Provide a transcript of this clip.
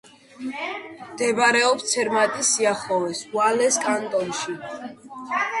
მდებარეობს ცერმატის სიახლოვეს, ვალეს კანტონში.